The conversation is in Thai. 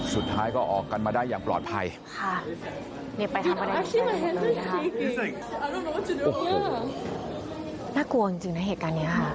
สุดท้ายก็ออกกันมาได้อย่างปลอดภัยค่ะ